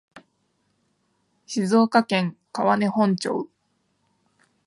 静岡県川根本町